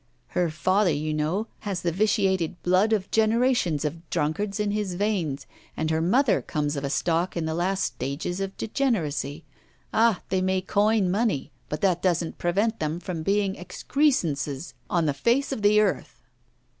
Her father, you know, has the vitiated blood of generations of drunkards in his veins, and her mother comes of a stock in the last stages of degeneracy. Ah! they may coin money, but that doesn't prevent them from being excrescences on the face of the earth!